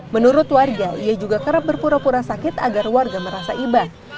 menurut warga ia juga kerap berpura pura sakit agar warga merasa iba